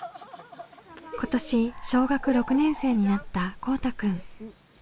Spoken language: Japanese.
今年小学６年生になったこうたくん。